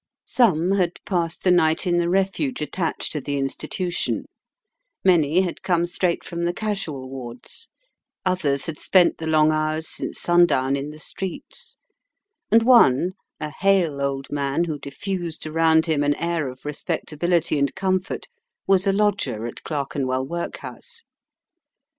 Some had passed the night in the Refuge attached to the institution; many had come straight from the casual wards; others had spent the long hours since sundown in the streets; and one, a hale old man who diffused around him an air of respectability and comfort, was a lodger at Clerkenwell Workhouse.